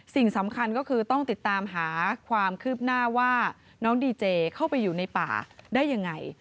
สิ่งสำคัญก็คือต้องติดตามหาความคืบหน้าว่าน้องดีเจเข้าไปอยู่ในป่าได้ยังไง